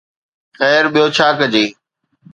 خير، ٻيو ڇا ڪجي؟